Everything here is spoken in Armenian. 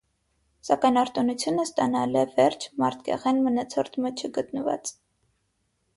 Սակայն արտօնութիւնը ստանալէ վերջ մարդկեղէն մնացորդ մը չէ գտնուած։